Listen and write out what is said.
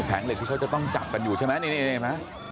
แผงเหล็กที่เราจะต้องจับกันอยู่ใช่ไหมนี่นะครับ